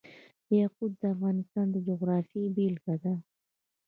یاقوت د افغانستان د جغرافیې بېلګه ده.